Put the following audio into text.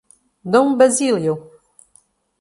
Dom Basílio